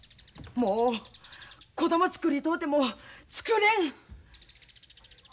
もう子供つくりとうてもつくれん！